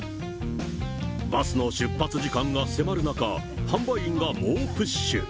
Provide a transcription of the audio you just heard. バスの出発時間が迫る中、販売員が猛プッシュ。